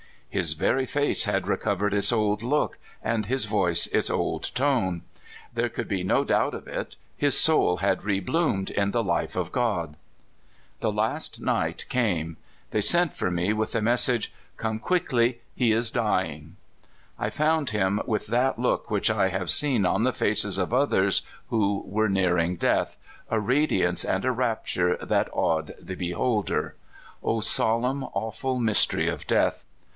His very face had recovered its old look, and his voice its old tone. There could be no doubt of it his soul had rebloomed in the life of God. The last night came they sent for me with the message, " Come quickly ! he is dying." 70 CALIFORNIA SKETCHES. I found him with that look which I have seen on the faces of others who were nearing death a radiance and a rapture that awed the beholder. O solemn, awful mystery of death